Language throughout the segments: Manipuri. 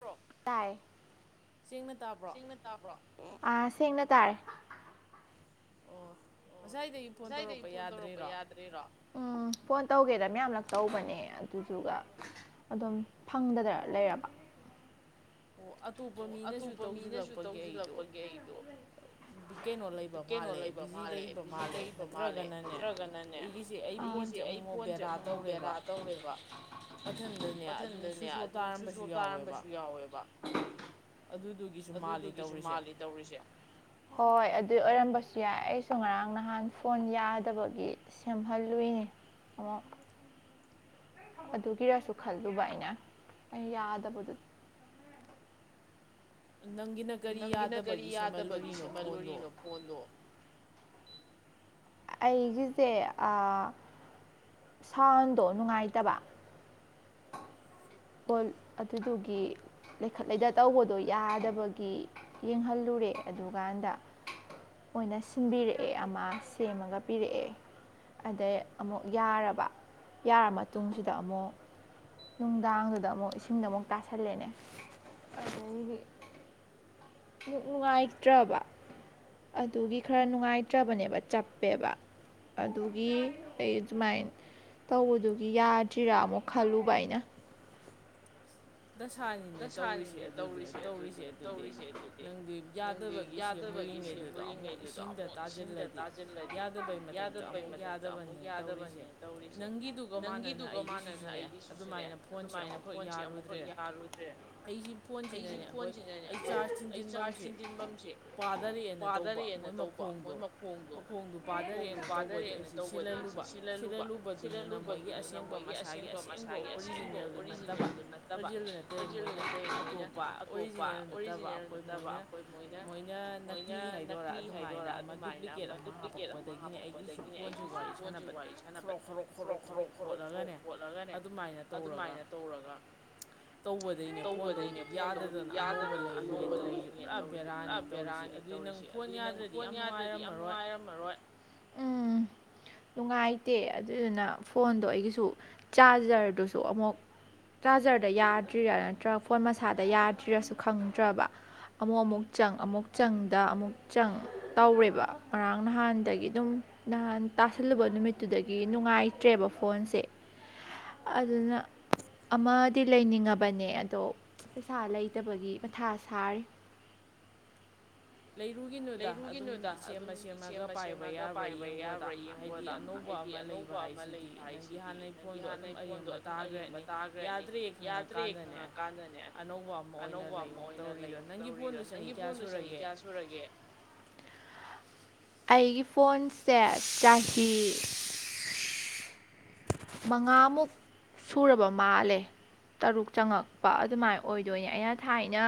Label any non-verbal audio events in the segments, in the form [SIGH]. [UNINTELLIGIBLE] ꯇꯥꯏ꯫ ꯁꯦꯡꯅ ꯇꯥꯕ꯭ꯔꯣ꯫ ꯑ ꯁꯦꯡꯅ ꯇꯥꯔꯦ꯫ ꯉꯥꯏꯗꯩ ꯐꯣꯟ ꯇꯧꯔꯛꯄ ꯌꯥꯗ꯭ꯔꯤꯔꯣ ꯎꯝ꯫ ꯐꯣꯟ ꯇꯧꯒꯦꯗ ꯃꯌꯥꯝꯂꯛ ꯇꯧꯕꯅꯦ ꯑꯗꯨꯗꯨꯒ ꯑꯗꯨꯝ ꯐꯪꯗꯗꯅ ꯂꯩꯔꯕ꯫ ꯑꯇꯣꯞꯄ ꯃꯤꯅꯁꯨ ꯇꯧꯁꯤꯜꯂꯛꯄꯒꯤ ꯑꯩꯗꯣ ꯀꯩꯅꯣ ꯂꯩꯕ ꯃꯥꯜꯂꯦ ꯕꯤꯖꯤ ꯂꯩꯕ ꯃꯥꯜꯂꯦ ꯅꯠꯇ꯭ꯔꯒꯅꯅꯦ ꯑꯩꯒꯤꯁꯦ ꯑꯩ ꯐꯣꯟꯁꯦ ꯑꯃꯨꯛꯃꯨꯛ ꯕꯦꯔꯥ ꯇꯧꯋꯦꯕ ꯃꯊꯟꯗꯅꯦ ꯑꯗꯨꯝ ꯁ꯭ꯋꯤꯁ ꯑꯣꯐ ꯇꯥꯔꯝꯕꯁꯨ ꯌꯥꯎꯋꯦꯕ꯫ ꯑꯗꯨꯗꯨꯒꯤꯁꯨ ꯃꯥꯜꯂꯤ ꯇꯧꯔꯤꯁꯦ꯫ ꯍꯣꯏ ꯑꯗꯨꯏ ꯑꯣꯏꯔꯝꯕꯁꯨ ꯌꯥꯏ ꯑꯩꯁꯨ ꯉꯔꯥꯡ ꯅꯍꯥꯟ ꯐꯣꯟ ꯌꯥꯗꯕꯒꯤ ꯁꯦꯝꯍꯜꯂꯨꯏꯅꯦ ꯑꯃꯨꯛ꯫ ꯑꯗꯨꯒꯤꯔꯁꯨ ꯈꯜꯂꯨꯕ ꯑꯩꯅ ꯑꯩ ꯌꯥꯗꯕꯗꯨ꯫ ꯅꯪꯒꯤꯅ ꯀꯔꯤ ꯌꯥꯗꯕꯒꯤ ꯁꯦꯝꯃꯜꯂꯨꯔꯤꯅꯣ ꯐꯣꯟꯗꯣ꯫ ꯑꯩꯒꯤꯁꯦ ꯑ ꯁꯥꯎꯟꯗꯣ ꯅꯨꯡꯉꯥꯏꯇꯕ꯫ ꯑꯗꯨꯗꯨꯒꯤ ꯂꯩꯈꯠꯂꯗ ꯇꯧꯕꯗꯣ ꯌꯥꯗꯕꯒꯤ ꯌꯦꯡꯍꯜꯂꯨꯔꯦ ꯑꯗꯨꯀꯥꯟꯗ ꯃꫭꯏꯅ ꯁꯤꯟꯕꯤꯔꯛꯑꯦ ꯑꯃ ꯁꯦꯝꯃꯒ ꯄꯤꯔꯛꯑꯦ ꯑꯗꯩ ꯑꯃꯨꯛ ꯌꯥꯔꯕ ꯌꯥꯔ ꯃꯇꯨꯡꯁꯤꯗ ꯑꯃꯨꯛ꯫ ꯅꯨꯡꯗꯥꯥꯡꯗꯨꯗ ꯑꯃꯨꯛ ꯏꯁꯤꯡꯗ ꯑꯃꯨꯛ ꯇꯥꯁꯜꯂꯦꯅꯦ ꯑꯗꯒꯤꯗꯤ꯫ ꯑꯃꯨꯛ ꯅꯨꯡꯉꯥꯏꯇ꯭ꯔꯕ ꯑꯗꯨꯒꯤ ꯈꯔ ꯅꯨꯡꯉꯥꯏꯇ꯭ꯔꯕꯅꯦꯕ ꯆꯞꯄꯦꯕ ꯑꯗꯨꯒꯤ ꯑꯩ ꯑꯗꯨꯃꯥꯏꯅ ꯇꯧꯕꯗꯨꯒꯤ ꯌꯥꯗ꯭ꯔꯤꯔꯥ ꯑꯃꯨꯛ ꯈꯜꯂꯨꯕ ꯑꯩꯅ꯫ ꯗꯁꯥꯅꯤꯅꯦ ꯇꯧꯔꯤꯁꯦ ꯑꯗꯨꯗꯤ ꯇꯧꯔꯤꯁꯦ ꯑꯗꯨꯗꯤ ꯅꯪꯗꯤ ꯌꯥꯗꯕꯒꯤꯁꯦ ꯃꯨꯔꯤꯉꯩꯗꯨꯗꯣ ꯑꯃꯨꯛ ꯏꯁꯤꯡꯗ ꯇꯥꯁꯤꯜꯂꯗꯤ ꯌꯥꯗꯕꯩ ꯃꯊꯛꯇ ꯑꯃꯨꯛ ꯌꯥꯗꯕꯅꯦ ꯇꯧꯔꯤꯁꯦ ꯅꯪꯒꯤꯗꯨꯒ ꯃꯥꯟꯅꯅ ꯑꯩꯒꯤꯁꯤꯁꯨꯅꯦ ꯑꯗꯨꯃꯥꯏꯅ ꯐꯣꯟꯁꯦ ꯑꯃꯨꯛꯈꯛ ꯌꯥꯔꯨ꯫ ꯑꯩꯁꯤ ꯐꯣꯟꯁꯤꯅꯅꯦ ꯑꯩ ꯆꯥꯔꯖ ꯊꯤꯟꯖꯤꯟꯐꯝꯁꯦ ꯄꯥꯗꯔꯛꯑꯦꯅ ꯇꯧꯕ ꯃꯣꯏ ꯃꯈꯣꯡꯗꯣ ꯃꯈꯣꯡꯗꯣ ꯄꯥꯊꯔꯛꯑꯦꯅ ꯇꯧꯕꯗꯤ ꯑꯩꯁꯤ ꯁꯤꯜꯍꯜꯂꯨꯕ ꯁꯤꯜꯍꯜꯂꯨꯕꯗꯨꯗꯨꯅ ꯃꯣꯏꯒꯤ ꯑꯁꯦꯡꯕ ꯃꯁꯥꯒꯤ ꯑꯁꯦꯡꯕ ꯑꯣꯔꯤꯖꯤꯅꯦꯜꯗꯨ ꯅꯠꯇꯕ꯫ [INAUDIBLE] [UNINTELLIGIBLE] ꯃꯣꯏꯅ ꯑꯇꯣꯞꯄ ꯑꯣꯔꯤꯖꯤꯅꯦꯜ ꯅꯠꯇꯕ ꯑꯩꯈꯣꯏ ꯃꯣꯏꯅ ꯃꯣꯏꯅ ꯅꯀꯂꯤ ꯍꯥꯏꯗꯣꯏꯔꯥ ꯑꯗꯨꯃꯥꯏꯅ ꯑꯃ ꯗꯨꯄ꯭ꯂꯤꯀꯦꯠ ꯑꯃ ꯍꯥꯞꯄꯛꯄꯗꯒꯤꯅꯤ ꯑꯩꯒꯤꯁꯨ ꯐꯣꯟꯁꯨ ꯋꯥꯔꯤ ꯁꯥꯟꯅꯕ ꯈꯣꯔꯣꯛ ꯈꯣꯔꯣꯛ ꯈꯣꯔꯣꯛ ꯈꯣꯔꯣꯛ ꯈꯣꯠꯂꯒꯅꯦ ꯑꯗꯨꯃꯥꯏꯅ ꯇꯧꯔꯒ ꯇꯧꯕꯗꯩꯅꯦ ꯐꯣꯟꯗꯣ ꯍꯧꯖꯤꯛ ꯌꯥꯗꯗꯅ ꯑꯅꯧꯕ ꯂꯩꯔꯤꯅꯦ ꯇꯧꯔꯤꯁꯦ ꯄꯨꯔꯥ ꯕꯦꯔꯥꯅꯦ ꯇꯧꯔꯤꯁꯦ ꯑꯗꯨꯗꯤ ꯅꯪ ꯐꯣꯟ ꯌꯥꯗ꯭ꯔꯗꯤ ꯌꯥꯝ ꯅꯨꯡꯉꯥꯏꯔꯝꯃꯔꯣꯏ ꯎꯝ ꯅꯨꯡꯉꯥꯏꯇꯦ ꯑꯗꯨꯗꯨꯅ ꯐꯣꯟꯗꯣ ꯑꯩꯒꯤꯁꯨ ꯆꯥꯔꯖꯔꯗꯨꯁꯨ ꯑꯃꯨꯛ ꯆꯥꯔꯖꯔꯗ ꯅꯠꯇ꯭ꯔꯒ ꯐꯣꯟ ꯃꯁꯥꯗ ꯌꯥꯗ꯭ꯔꯤꯔꯁꯨ ꯈꯪꯗ꯭ꯔꯕ ꯑꯃꯨꯛ ꯑꯃꯨꯛ ꯆꯪ ꯑꯃꯨꯛ ꯆꯪꯗ ꯑꯃꯨꯛ ꯆꯪ ꯇꯧꯔꯦꯕ ꯉꯔꯥꯡ ꯅꯍꯥꯟꯗꯒꯤ ꯑꯗꯨꯝ ꯅꯍꯥꯟ ꯇꯥꯁꯜꯂꯨꯕ ꯅꯨꯃꯤꯠꯇꯨꯗꯒꯤ ꯅꯨꯡꯉꯥꯏꯇ꯭ꯔꯦꯕ ꯐꯣꯟꯁꯦ ꯑꯗꯨꯅ ꯑꯃꯗꯤ ꯂꯩꯅꯤꯡꯉ ꯕꯅꯦ ꯑꯗꯣ ꯄꯩꯁꯥ ꯂꯩꯇꯕꯒꯤ ꯃꯊꯥ ꯁꯥꯔꯤ ꯂꯩꯔꯨꯒꯤꯅꯨꯗ ꯑꯗꯨꯝ ꯁꯦꯝꯃ ꯁꯦꯝꯃꯒ ꯄꯥꯏꯕ ꯌꯥꯕ꯭ꯔꯥ ꯌꯦꯡꯒꯣꯗ ꯍꯥꯏꯗꯤ ꯑꯅꯧꯕ ꯑꯃ ꯂꯩꯕ ꯍꯥꯏꯁꯤꯗꯤ ꯅꯪꯒꯤ ꯍꯥꯟꯅꯩ ꯐꯣꯟꯗꯣ ꯑꯗꯨꯝ ꯑꯔꯦꯝꯕ ꯇꯥꯈ꯭ꯔꯅꯤ ꯌꯥꯗ꯭ꯔꯦ ꯈꯪꯉꯀꯥꯟꯗꯅꯦ ꯑꯅꯧꯕ ꯑꯃ ꯑꯣꯏꯅ ꯂꯩꯌꯣ ꯇꯧꯔꯤꯗꯣ ꯅꯪꯒꯤ ꯐꯣꯟꯗꯨ ꯆꯍꯤ ꯀꯌꯥ ꯁꯨꯔꯒꯦ ꯑꯩꯒꯤ ꯐꯣꯟꯁꯦ ꯆꯍꯤ ꯃꯉꯥꯃꯨꯛ ꯁꯨꯔꯕ ꯃꯥꯜꯂꯦ ꯇꯔꯨꯛ ꯆꯪꯉꯛꯄ ꯑꯗꯨꯃꯥꯏꯅ ꯑꯣꯏꯗꯣꯏꯅꯦ ꯑꯩꯅ ꯊꯥꯏꯅ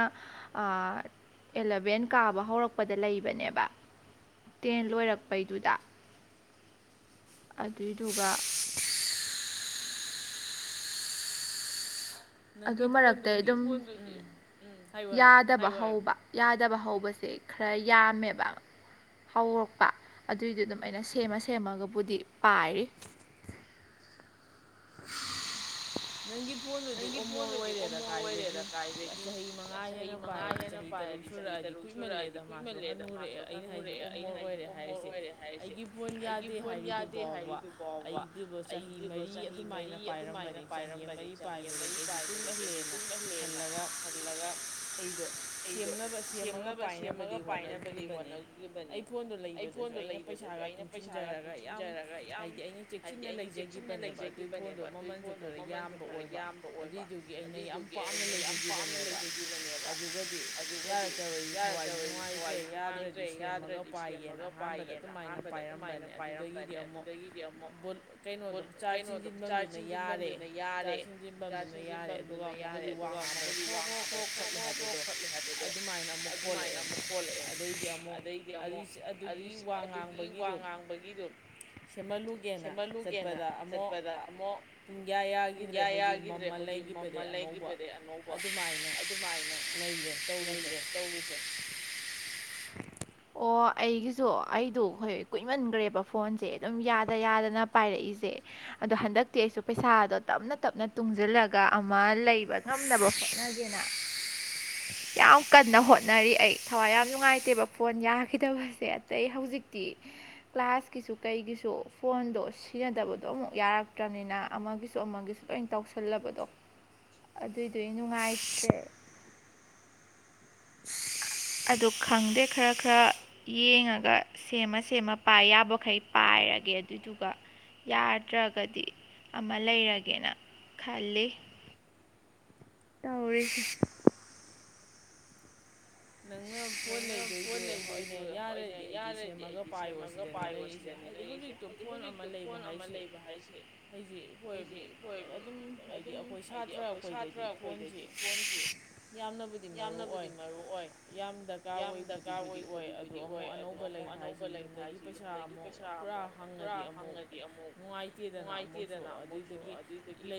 ꯑꯦꯂꯚꯦꯟ ꯀꯥꯕ ꯍꯧꯔꯛ ꯄꯗ ꯂꯩꯕꯅꯦꯕ ꯇꯦꯟ ꯂꯣꯏꯔꯛꯄꯩꯗꯨꯗ ꯑꯗꯨꯏꯗꯨꯒ ꯑꯗꯨ ꯃꯔꯛꯇ ꯑꯗꯨꯝ ꯌꯥꯗꯕ ꯍꯧꯕ ꯌꯥꯗꯕ ꯍꯧꯕꯁꯦ ꯈꯔ ꯌꯥꯝꯃꯦꯕ ꯍꯧꯔꯛꯄ ꯑꯗꯨꯏꯗꯤ ꯑꯗꯨꯝ ꯑꯩꯅ ꯁꯦꯝꯃ ꯁꯦꯝꯃꯒꯕꯨꯗꯤ ꯄꯥꯏꯔꯤ [UNINTELLIGIBLE] ꯅꯪꯒꯤ ꯐꯣꯟꯗꯨꯗꯤ ꯑꯣꯃꯣꯔ ꯑꯣꯏꯔꯦꯗ ꯀꯥꯏꯗꯒꯤ ꯆꯍꯤ ꯃꯉꯥ ꯍꯦꯟꯅ ꯄꯥꯏꯔꯗꯤ ꯆꯍꯤ ꯇꯔꯨꯛ ꯁꯨꯔꯛꯑꯗꯤ ꯀꯨꯏꯃꯜꯂꯛꯑꯦꯗ ꯃꯥꯁꯨ ꯍꯅꯨꯔꯛꯑꯦ ꯑꯩꯅ ꯍꯥꯏꯁꯤ ꯑꯣꯃꯣꯔ ꯑꯣꯏꯔꯦ ꯍꯥꯏꯔꯤꯁꯦ ꯑꯩꯒꯤ ꯐꯣꯟ ꯌꯥꯗꯦ ꯍꯥꯏꯔꯤꯗꯨ ꯐꯥꯎꯕ ꯑꯩꯗꯤ ꯆꯍꯤ ꯃꯔꯤ ꯑꯗꯨꯃꯥꯏꯅ ꯄꯥꯏꯔꯝꯕꯅꯤ ꯆꯍꯤ ꯃꯔꯤꯃꯨꯛ ꯄꯥꯏꯕꯗꯒꯤ ꯑꯩꯗꯤ ꯀꯨꯏꯃꯜꯂꯦꯅ ꯈꯜꯂꯒ ꯑꯩꯗꯣ ꯁꯦꯝꯅꯕ ꯁꯦꯝꯃꯒ ꯄꯥꯏꯅꯕꯗꯤ ꯍꯣꯠꯅꯈꯤꯕꯅꯤ ꯑꯩ ꯐꯣꯟꯗꯣ ꯂꯩꯕꯗꯁꯨ ꯑꯩꯅ ꯄꯩꯁꯥꯒ ꯇꯨꯡꯁꯤꯟꯖꯔꯒ ꯌꯥꯝ ꯍꯥꯏꯗꯤ ꯑꯩꯅ ꯆꯦꯛꯁꯤꯟꯅ ꯂꯩꯖꯒꯤꯕꯅꯦꯕ ꯑꯗꯨꯏ ꯐꯣꯟꯗꯣ ꯃꯃꯜꯁꯨ ꯈꯔ ꯌꯥꯝꯕ ꯑꯣꯏꯕ ꯑꯗꯨꯏꯗꯨꯒꯤ ꯑꯩꯅ ꯌꯥꯝ ꯄꯥꯝꯅ ꯂꯩꯖꯈꯤꯕꯅꯦꯕ ꯑꯗꯨꯒꯗꯤ ꯌꯥꯔꯛꯇꯕꯁꯨ ꯊꯋꯥꯏꯁꯨ ꯅꯨꯡꯉꯥꯏꯇ꯭ꯔꯦ ꯌꯥꯗ꯭ꯔꯗꯤ ꯁꯦꯝꯃꯒ ꯄꯥꯏꯒꯦꯅ ꯑꯍꯥꯟꯕꯗ ꯑꯗꯨꯃꯥꯏꯅ ꯄꯥꯏꯔꯝꯕꯅꯦ ꯑꯗꯨꯗꯒꯤꯗꯤ ꯑꯃꯨꯛ ꯀꯩꯅꯣꯗꯣ ꯆꯥꯔ ꯆꯤꯡꯁꯤꯟꯐꯝꯗꯨꯅ ꯌꯥꯔꯦ [UNINTELLIGIBLE] [UNINTELLIGIBLE] ꯌꯥꯔꯦ ꯑꯗꯨꯒ ꯑꯃꯣꯛ ꯍꯧꯖꯤꯛ ꯋꯥ ꯉꯥꯡꯕꯗ ꯈꯣꯛ ꯈ꯭ꯔꯣꯛ ꯈꯣꯔꯣꯛ ꯈꯣꯠꯂꯦ ꯍꯥꯏꯕꯗꯣ ꯑꯗꯨꯃꯥꯏꯅ ꯑꯃꯨꯛ ꯈꯣꯂꯛꯑꯦ ꯑꯗꯩꯗꯤ ꯑꯃꯨꯛ ꯑꯗꯨꯒꯤ ꯋꯥ ꯉꯥꯡꯕꯒꯤꯗꯣ ꯁꯦꯝꯍꯜꯂꯨꯒꯦꯅ ꯆꯠꯄꯗ ꯑꯃꯨꯛ ꯁꯨꯡꯌꯥ ꯌꯥꯒꯤꯗ꯭ꯔꯦ ꯍꯧꯖꯤꯛ ꯃꯃꯜ ꯂꯩꯈꯤꯕꯗꯤ ꯑꯅꯧꯕ ꯑꯗꯨꯃꯥꯏꯅ ꯂꯩꯔꯦ ꯇꯧꯔꯤꯁꯦ ꯑꯣ ꯑꯩꯒꯤꯁꯨ ꯑꯩꯗꯣ ꯍꯣꯏ ꯀꯨꯏꯃꯟꯈ꯭ꯔꯦꯕ ꯐꯣꯟꯁꯦ ꯑꯗꯨꯝ ꯌꯥꯗ ꯌꯥꯗꯅ ꯄꯥꯏꯔꯛꯏꯁꯦ ꯑꯗꯣ ꯍꯟꯗꯛꯇꯤ ꯑꯩꯁꯨ ꯄꯩꯁꯥꯗꯣ ꯇꯞꯅ ꯇꯞꯅ ꯇꯨꯡꯖꯤꯜꯂꯒ ꯑꯃ ꯂꯩꯕ ꯉꯝꯅꯕ ꯍꯣꯠꯅꯒꯦꯅ ꯌꯥꯝ ꯀꯟꯅ ꯍꯣꯠꯅꯔꯤ ꯑꯩ ꯊꯋꯥꯏ ꯌꯥꯝ ꯅꯨꯡꯉꯥꯏꯇꯦꯕ ꯐꯣꯟ ꯌꯥꯈꯤꯗꯕꯁꯦ ꯑꯇꯩ ꯍꯧꯖꯤꯛꯇꯤ ꯀ꯭ꯂꯥꯁꯀꯤꯁꯨ ꯀꯩꯒꯤꯁꯨ ꯐꯣꯟꯗꯣ ꯁꯤꯖꯤꯟꯅꯗꯕꯗꯣ ꯑꯃꯨꯛ ꯌꯥꯔꯛꯇ꯭ꯔꯕꯅꯤꯅ ꯑꯃꯒꯤ ꯁꯣ ꯑꯃꯒꯤꯁꯨ ꯂꯣꯏ ꯇꯧꯁꯜꯂꯕꯗꯣ ꯑꯗꯨꯏꯗꯨꯒꯤ ꯅꯨꯡꯉꯥꯏꯇ꯭ꯔꯦ ꯑꯗꯣ ꯈꯪꯗꯦ ꯈꯔ ꯈꯔ ꯌꯦꯡꯉꯒ ꯁꯦꯝꯃ ꯁꯦꯝꯃ ꯄꯥꯏ ꯌꯥꯕꯈꯩ ꯄꯥꯏꯔꯒꯦ ꯑꯗꯨꯏꯗꯨꯒ ꯌꯥꯗ꯭ꯔꯒꯗꯤ ꯂꯩꯔꯒꯦꯅ ꯈꯜꯂꯤ ꯇꯧꯔꯤꯁꯤ ꯅꯪꯅ ꯐꯣꯟ ꯂꯩꯗꯣꯏꯗꯨ ꯑꯣꯏꯅ ꯌꯥꯔꯗꯤ ꯑꯩꯗꯤ ꯁꯦꯝꯃꯒ ꯄꯥꯏꯌꯣ ꯁꯤꯗꯅꯦ ꯂꯩꯔꯤꯁꯦ ꯍꯥꯏꯗꯤ ꯍꯧꯖꯤꯛꯇꯣ ꯐꯣꯟ ꯑꯃ ꯂꯩꯕ ꯍꯥꯏꯁꯦ ꯍꯥꯏꯁꯦ ꯑꯩꯈꯣꯏ ꯑꯗꯨꯝ ꯍꯥꯏꯗꯤ ꯑꯩꯈꯣꯏ ꯁꯥꯇ꯭ꯔ ꯑꯩꯈꯣꯏꯗꯗꯤ ꯐꯣꯟꯁꯤ ꯌꯥꯝꯅꯕꯨꯗꯤ ꯃꯔꯨ ꯑꯣꯏ ꯌꯥꯝꯗ ꯌꯥꯝ ꯗꯔꯀꯥꯔ ꯑꯣꯏꯕꯗꯨꯕꯨꯗꯤ ꯑꯣꯏ ꯑꯗꯣ ꯑꯃꯨꯛ ꯑꯅꯧꯕ ꯂꯩ ꯍꯥꯏꯁꯤꯦ ꯌꯨꯝꯗꯒꯤ ꯄꯩꯁꯥ ꯑꯃꯨꯛ ꯄꯨꯔꯥ ꯍꯪꯉꯗꯤ ꯑꯃꯨꯛ ꯅꯨꯡꯉꯥꯏꯇꯦꯗꯅ ꯑꯃꯨꯛꯁꯨ ꯑꯗꯨꯏꯗꯒꯤ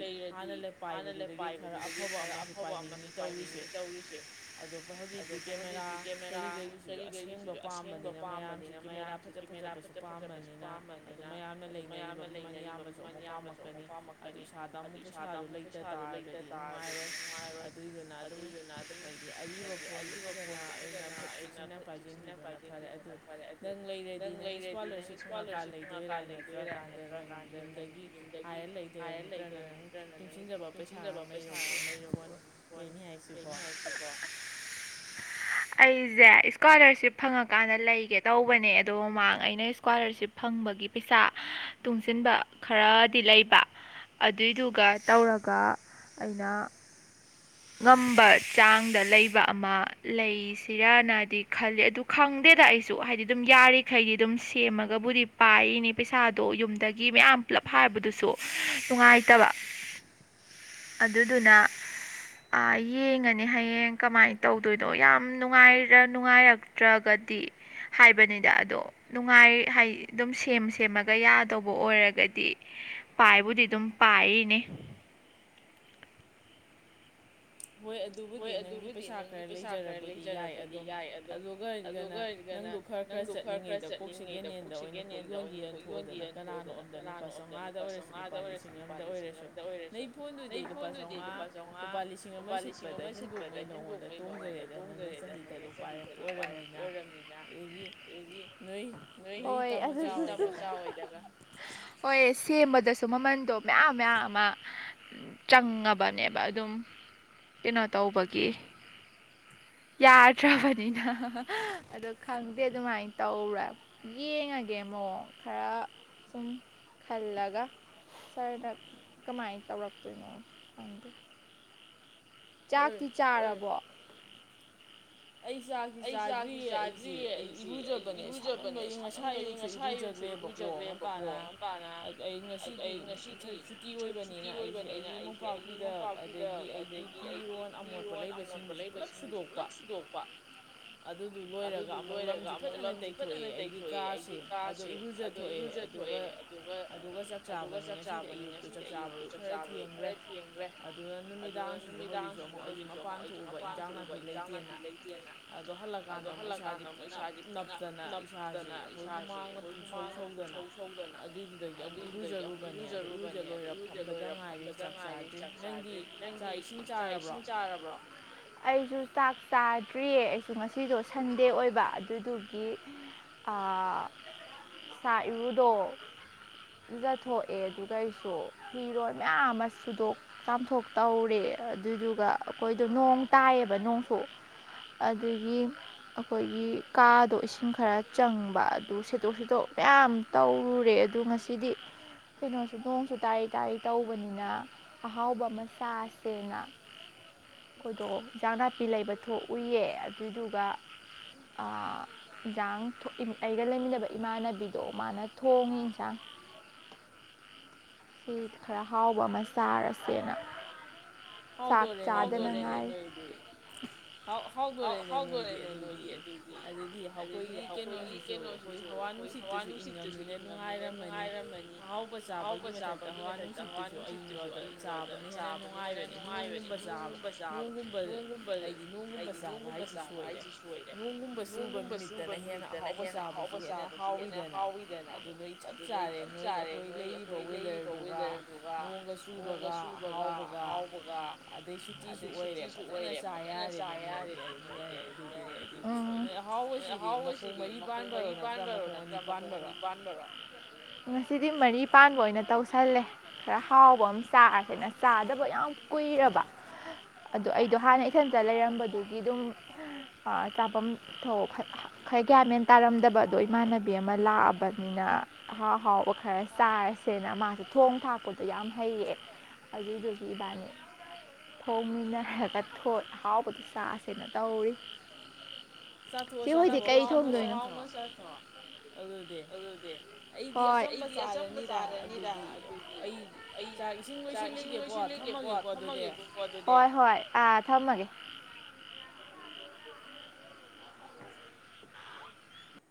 ꯂꯩꯔꯗꯤ ꯍꯥꯟꯅ ꯄꯥꯏꯕꯗꯨꯗꯒꯤ ꯈꯔ ꯑꯐꯕ ꯑꯃꯁꯨ ꯄꯥꯏꯅꯤꯡꯅꯤ ꯇꯧꯔꯤꯁꯦ ꯑꯗꯨꯕꯨ ꯍꯧꯖꯤꯛꯇꯤ ꯀꯦꯃꯦꯔꯥ [UNINTELLIGIBLE] ꯀꯦꯃꯦꯔꯥ ꯀꯔꯤ ꯀꯔꯤꯁꯤꯁꯨ ꯑꯁꯦꯡꯕ ꯄꯥꯝꯕꯅꯤꯅ ꯃꯌꯥꯝꯁꯤ ꯀꯦꯃꯦꯔꯥ ꯐꯖ ꯐꯖꯕꯁꯨ ꯄꯥꯝꯕꯅꯤꯅ ꯑꯗꯨ ꯃꯌꯥꯝꯅ ꯂꯩꯅꯔꯤꯕ ꯃꯃꯜ ꯌꯥꯝꯕꯁꯨ ꯑꯃꯨꯛ ꯄꯥꯝꯃꯛꯀꯅꯤ ꯑꯗꯨ ꯏꯁꯥꯗ ꯑꯃꯨꯛ ꯄꯩꯁꯥꯗꯨ ꯂꯩꯇ ꯇꯥꯔꯒꯗꯤ ꯅꯨꯡꯉꯥꯏꯔꯣꯏ ꯑꯗꯨꯗꯨꯅ ꯑꯗꯨꯝ ꯑꯔꯤꯕ ꯐꯣꯟꯗꯨ ꯐꯖꯅ ꯐꯖꯅ ꯑꯩꯅ ꯆꯦꯛꯁꯤꯟꯅ ꯄꯥꯏꯁꯤꯟꯕꯤꯕꯅ ꯐꯔꯦ ꯑꯗꯨ ꯅꯪ ꯂꯩꯔꯗꯤ ꯅꯪ ꯏꯁꯀꯣꯂꯔꯁꯤꯞ ꯐꯪꯉꯀꯥꯟ ꯂꯩꯗꯣꯏꯔꯥ ꯅꯠꯇ꯭ꯔꯀꯥꯟꯗ ꯅꯪ ꯌꯨꯝꯗꯒꯤ ꯍꯥꯏꯔ ꯂꯩꯗꯣꯏꯔꯥ ꯅꯠꯇ꯭ꯔꯒꯅ ꯅꯪꯒꯤ ꯇꯨꯡꯁꯤꯟꯖꯕ ꯄꯩꯁꯥꯒ ꯂꯩꯔꯕꯤ ꯅꯪ ꯐꯣꯟ ꯂꯩꯅꯤ ꯍꯥꯏꯁꯤꯕꯣ ꯑꯩꯁꯦ ꯏꯁꯀꯣꯂꯥꯔꯁꯤꯞ ꯐꯪꯉꯀꯥꯟꯗ ꯂꯩꯒꯦ ꯇꯧꯕꯅꯦ ꯑꯗꯣ ꯃꯃꯥꯡ ꯑꯩꯅ ꯏꯁꯀꯣꯂꯔꯁꯤꯞ ꯐꯪꯕꯒꯤ ꯄꯩꯁꯥ ꯇꯨꯡꯁꯤꯟꯕ ꯈꯔꯗꯤ ꯂꯩꯕ ꯑꯗꯨꯏꯗꯨꯒ ꯇꯧꯔꯒ ꯑꯩꯅ ꯉꯝꯕ ꯆꯥꯡꯗ ꯂꯩꯕ ꯑꯃ ꯂꯩꯁꯤꯔꯅꯗꯤ ꯈꯜꯂꯤ ꯑꯗꯨ ꯈꯪꯗꯦꯗ ꯑꯩꯁꯨ ꯍꯥꯏꯗꯤ ꯑꯗꯨꯝ ꯌꯥꯔꯤꯈꯩꯗꯤ ꯑꯗꯨꯝ ꯁꯦꯝꯃꯒꯕꯨꯗꯤ ꯄꯥꯏꯔꯤꯅꯤ ꯄꯩꯁꯥꯗꯣ ꯌꯨꯝꯗꯒꯤ ꯃꯌꯥꯝ ꯄꯨꯂꯞ ꯍꯥꯏꯕꯗꯨꯁꯨ ꯅꯨꯡꯉꯥꯏꯇꯕ ꯑꯗꯨꯗꯨꯅ ꯑꯥ ꯌꯦꯡꯉꯅꯤ ꯍꯌꯦꯡ ꯀꯃꯥꯏꯅ ꯇꯧꯗꯣꯏꯅꯣ ꯌꯥꯝ ꯅꯨꯡꯉꯥꯏꯔꯛꯇ꯭ꯔꯒꯗꯤ ꯍꯥꯏꯕꯅꯤꯗ ꯑꯗꯣꯅꯨꯡꯉꯥꯏ ꯑꯗꯨꯝ ꯁꯦꯝ ꯁꯦꯝꯃꯒ ꯌꯥꯗꯧꯕ ꯑꯣꯏꯔꯒꯗꯤ ꯄꯥꯏꯕꯨꯗꯤ ꯑꯗꯨꯝ ꯄꯥꯏꯔꯤꯅꯦ ꯍꯣꯏ ꯑꯗꯨꯕꯨꯗꯤ ꯅꯪꯒꯤ ꯄꯩꯁꯥ ꯈꯔ ꯂꯩꯖꯔꯕꯗꯤ ꯌꯥꯏ ꯑꯗꯨꯝ ꯑꯗꯨꯒꯒꯅ ꯅꯪꯗ ꯈꯔ ꯈꯔ ꯆꯠꯂꯤꯉꯩꯗ ꯀꯣꯛ ꯁꯦꯀꯦꯟ ꯍꯦꯟꯗ ꯑꯣꯏꯅ ꯀꯣꯛ ꯌꯣꯟꯒꯤ ꯌꯣꯟꯊꯣꯛꯎꯗꯅ ꯀꯅꯥꯅꯣ ꯑꯝꯗ ꯂꯨꯄꯥ ꯆꯥꯝꯃꯉꯥꯗ ꯑꯣꯏꯔꯁꯨ ꯂꯨꯄꯥ ꯂꯤꯁꯤꯡ ꯑ ꯑꯃꯗ ꯑꯣꯏꯔꯁꯨ ꯅꯪ ꯐꯣꯟꯗꯨꯗꯤ ꯂꯨꯄꯥ ꯆꯥꯝꯉꯥ ꯂꯨꯄꯥ ꯂꯤ ꯌꯥꯝ ꯃ ꯁꯤ ꯌꯣꯟꯕ ꯁꯤꯠꯄꯗ ꯍꯦꯟꯗꯣꯛꯄꯩ ꯃꯑꯣꯡꯗ ꯇꯣꯡꯗꯔꯦꯗ ꯅꯣꯏꯅ ꯆꯍꯤꯗ ꯑꯗꯨ ꯄꯥꯏꯔꯛ ꯑꯣꯏꯔꯝꯅꯤꯅ ꯑꯗꯨꯗꯤ ꯅꯣꯏ ꯍꯣꯏ ꯑꯗꯨꯗ ꯍꯣꯏ ꯁꯦꯝꯕꯗꯁꯨ ꯃꯃꯟꯗꯣ ꯃꯌꯥꯝ ꯃꯌꯥꯝ ꯑꯃ ꯆꯪꯉꯕꯅꯦꯕ ꯑꯗꯨꯝ ꯀꯩꯅꯣ ꯇꯧꯕꯒꯤ ꯌꯥꯗ꯭ꯔꯕꯅꯤꯅ ꯑꯗꯣ ꯈꯪꯗꯦ ꯑꯗꯨꯃꯥꯏꯅ ꯇꯧꯕ꯭ꯔꯥ ꯌꯦꯡꯉꯒꯦ ꯃꯑꯣꯡ ꯈꯔ ꯁꯨꯝ ꯈꯜꯂꯒ ꯁꯥꯔꯅ ꯀꯃꯥꯏꯅ ꯇꯧꯔꯛꯇꯣꯏꯅꯣ ꯈꯪꯗꯦ ꯆꯥꯛꯇꯤ ꯆꯥꯔꯕꯣ ꯑꯩ ꯆꯥꯛꯁꯤ ꯆꯥꯗ꯭ꯔꯤꯌꯦ ꯑꯩꯁꯦ ꯑꯩ ꯏꯔꯨꯖꯕꯅꯦ ꯁꯃꯟꯕꯒꯤ ꯉꯁꯥ ꯑꯌꯨꯛꯁꯨ ꯏꯔꯨꯖꯗ꯭ꯔꯦꯕꯀꯣ ꯉꯄꯥꯅ ꯑꯩ ꯉꯁꯤꯗꯤ ꯁꯨꯇꯤ ꯑꯣꯏꯕꯅꯤꯅ ꯑꯩꯁꯦ ꯑꯩꯒꯤ ꯃꯣꯄꯥꯛꯄꯤꯗꯛ ꯑꯗꯒꯤ ꯑꯩꯒꯤ ꯐꯤꯔꯣꯟ ꯑꯃꯣꯠꯄ ꯂꯩꯕꯁꯤꯡꯗꯨꯁꯨ ꯄꯨꯂꯞ ꯁꯨꯗꯣꯛꯄ ꯑꯗꯨꯗꯨ ꯂꯣꯏꯔꯒ ꯑꯃꯨꯛ ꯂꯝꯁꯤ ꯐꯖꯅ ꯇꯩꯊꯣꯛꯑꯦ ꯑꯩꯒꯤ ꯀꯥꯁꯦ ꯑꯗꯣ ꯏꯔꯨꯖꯊꯣꯛꯑꯦ ꯑꯗꯨꯒ ꯑꯗꯨꯒ ꯆꯥꯛ ꯆꯥꯕꯅꯤ ꯉꯁꯤꯗꯤ ꯑꯌꯨꯛꯇꯨ ꯆꯥꯛꯆꯥꯕꯗ ꯈꯔ ꯊꯦꯡꯈ꯭ꯔꯦ ꯑꯗꯨ ꯅꯨꯃꯤꯗꯥꯡꯁꯤꯁꯨ ꯍꯧꯖꯤꯛꯁꯨ ꯑꯃꯨꯛ ꯑꯩꯁꯦ ꯃꯄꯥꯟ ꯊꯣꯛꯎꯕ ꯏꯟꯖꯥꯡ ꯅꯥꯄꯤ ꯂꯩꯇꯦꯅ ꯑꯗꯣ ꯍꯜꯂꯛꯀꯥꯟꯗ ꯑꯃꯨꯛ ꯏꯁꯥꯥꯁꯞ ꯅꯞꯇꯅ ꯏꯁꯥꯁꯤ ꯑꯩꯈꯣꯏ ꯍꯨꯃꯥꯡꯅ ꯄꯨꯁꯧ ꯁꯧꯗꯅ ꯑꯗꯨꯗꯨꯗꯒꯤ ꯑꯃꯨꯛ ꯏꯔꯨꯖꯔꯨꯕꯅꯦ ꯑꯗꯨ ꯏꯔꯨꯗ ꯂꯣꯏꯔ ꯐꯝꯕꯗ ꯉꯥꯏꯔꯤ ꯆꯥꯛ ꯆꯥꯗ꯭ꯔꯤ ꯅꯪꯗꯤ ꯆꯥꯛ ꯏꯁꯤꯡ ꯆꯥꯔꯕ꯭ꯔꯣ ꯑꯩꯖꯨ ꯆꯥꯛ ꯆꯥꯗ꯭ꯔꯤꯌꯦ ꯑꯗꯨꯨ ꯉꯁꯤꯗꯣ ꯁꯟꯗꯦ ꯑꯣꯏꯕ ꯑꯗꯨꯗꯨꯒꯤ ꯁꯥ ꯏꯔꯨꯗꯣ ꯖꯊꯣꯛꯑꯦ ꯑꯗꯨꯒ ꯑꯩꯁꯨ ꯐꯤꯔꯣꯟ ꯃꯌꯥꯝ ꯑꯃ ꯁꯨꯗꯣꯛ ꯆꯥꯝꯊꯣꯛ ꯇꯧꯔꯦ ꯑꯗꯨꯗꯨꯒ ꯑꯩꯈꯣꯏꯗꯣ ꯅꯣꯡ ꯇꯥꯏꯌꯦꯕ ꯅꯣꯡꯁꯨ ꯑꯗꯒꯤ ꯑꯩꯈꯣꯏꯒꯤ ꯀꯥꯗꯣ ꯏꯁꯤꯡ ꯈꯔ ꯆꯪꯕ ꯑꯗꯨ ꯁꯦꯠꯇꯣꯛ ꯁꯦꯠꯇꯣꯛ ꯃꯌꯥꯝ ꯇꯧꯔꯨꯔꯦ ꯑꯗꯨ ꯉꯁꯤꯗꯤ ꯀꯩꯅꯣꯁꯨ ꯅꯣꯡꯁꯨ ꯇꯥꯔꯤ ꯇꯥꯔꯤ ꯇꯧꯕꯅꯤꯅ ꯑꯍꯥꯎꯕ ꯃꯆꯥꯥꯁꯦꯅ ꯑꯩꯈꯣꯏꯗꯣ ꯏꯟꯖꯥꯡ ꯅꯥꯄꯤ ꯂꯩꯕ ꯊꯣꯛꯎꯏꯌꯦ ꯑꯗꯨꯗꯨꯒ ꯏꯟꯖꯥꯡ ꯑꯩꯒ ꯂꯩꯃꯤꯟꯅꯕ ꯏꯃꯥꯟꯅꯕꯤꯗꯣ ꯃꯥꯅ ꯊꯣꯡꯉꯤ ꯑꯦꯟꯁꯥꯡ ꯁꯤ ꯈꯔ ꯍꯥꯎꯕ ꯑꯃ ꯆꯥꯔꯁꯦꯅ ꯆꯥꯛꯥ ꯆꯥꯗꯅꯉꯥꯏ [UNINTELLIGIBLE] ꯍꯥꯎꯗꯣꯔꯑꯦꯅꯦ ꯅꯣꯏꯗꯤ ꯑꯗꯨꯗꯤ ꯑꯗꯨꯗꯤ ꯑꯩꯈꯣꯏꯒꯤ ꯀꯩꯅꯣꯁꯤꯁꯨ ꯑꯩꯈꯣꯏ ꯍꯋꯥ ꯅꯨꯡꯁꯤꯠꯇꯨꯁꯨ ꯏꯪꯉꯝꯅꯤꯅ ꯅꯨꯡꯉꯥꯏꯔꯝꯃꯅꯤ ꯑꯍꯥꯎꯕ ꯆꯥꯕꯒꯤ ꯃꯊꯛꯇ ꯍꯋꯥ ꯅꯨꯡꯁꯤꯠꯇꯨꯁꯨ ꯑꯏꯪꯂꯥꯎꯗ ꯆꯥꯕꯅ ꯍꯦꯟꯅ ꯅꯨꯡꯉꯥꯏꯕꯅꯤ ꯅꯣꯡꯒꯨꯝꯕ ꯆꯥꯕ ꯅꯣꯡꯒꯨꯝꯕ ꯍꯥꯏꯗꯤ ꯅꯣꯡꯒꯨꯝ ꯆꯥꯕ ꯍꯥꯏꯁꯤ ꯁꯣꯏꯔꯦ ꯅꯣꯡꯒꯨꯝꯕ ꯆꯨꯕ ꯅꯨꯃꯤꯠꯇꯅ ꯍꯦꯟꯅ ꯑꯍꯥꯎꯕ ꯆꯥꯕꯁꯤ ꯍꯦꯟꯅ ꯍꯥꯎꯋꯤꯗꯅ ꯑꯗꯨ ꯅꯣꯏ ꯆꯞ ꯆꯥꯔꯦ ꯅꯣꯏ ꯑꯩꯈꯣꯏ ꯂꯩꯔꯤꯕ ꯋꯦꯗꯔꯗꯨꯒ ꯅꯣꯡꯒ ꯆꯨꯕꯒ ꯑꯍꯥꯎꯕꯒ ꯑꯗꯩ ꯁꯨꯇꯤꯁꯨ ꯑꯣꯏꯔꯦ ꯐꯖꯅ ꯇꯥ ꯌꯥꯔꯦꯅꯦ ꯌꯥꯔꯦꯅꯦ ꯅꯣꯏ ꯎꯝ ꯅꯣꯏ ꯑꯍꯥꯎꯕꯁꯤꯗꯤ ꯃꯈꯣꯡ ꯃꯔꯤ ꯄꯥꯟꯕꯔꯣ ꯅꯠꯇ꯭ꯔꯥ ꯃꯈꯣꯡ ꯑꯅꯤ ꯄꯥꯟꯕꯔꯣ ꯉ ꯁꯤꯗꯤ ꯃꯔꯤ ꯄꯥꯟꯕ ꯑꯣꯏꯅ ꯇꯧꯁꯜꯂꯦ ꯈꯔ ꯍꯥꯎꯕ ꯑꯃ ꯆꯥꯔꯁꯤꯅ ꯆꯥꯗꯕ ꯌꯥꯝ ꯀꯨꯏꯔꯕ ꯑꯗꯨ ꯑꯩꯗꯣ ꯍꯥꯟꯅ ꯏꯊꯟꯇ ꯂꯩꯔꯝꯕ ꯑꯗꯨꯒꯤ ꯑꯗꯨꯝ ꯆꯥꯐꯝ ꯊ ꯈꯔ ꯒ꯭ꯌꯥꯃꯦꯟ ꯇꯥꯔꯝꯗꯕ ꯑꯗꯣ ꯏꯃꯥꯟꯅꯕꯤ ꯑꯃ ꯂꯥꯛꯑꯕꯅꯤꯅ ꯑꯍꯥꯎꯍꯥꯎꯕ ꯈꯔ ꯆꯥꯔꯁꯦꯅ ꯃꯥꯁꯦ ꯊꯣꯡ ꯊꯥꯛꯄꯗꯣ ꯌꯥꯝ ꯍꯩꯌꯦꯦ ꯑꯗꯨꯗꯨꯒꯤ ꯏꯕꯥꯅꯤ ꯊꯣꯡꯃꯤꯟꯅꯔꯒ ꯑꯍꯥꯎꯕꯗꯨ ꯇꯥꯁꯦꯅ ꯇꯧꯔꯤ ꯆꯦ ꯍꯣꯏꯗꯤ ꯀꯩ ꯊꯣꯡꯗꯣꯏꯅꯣ ꯑꯗꯨꯗꯤ ꯍꯣꯏ ꯑꯩꯗꯤ ꯑꯆꯝꯕ ꯆꯥꯔꯅꯤꯗ ꯑꯗꯨꯗꯤ ꯑꯩ ꯆꯥꯛ ꯏꯁꯤꯡ ꯂꯣꯏꯁꯤꯟꯂꯨꯒꯦꯀꯣ ꯊꯝꯃꯕꯒꯦꯀꯣ ꯑꯗꯨꯗꯤ ꯊꯝꯃꯒꯦ [UNINTELLIGIBLE]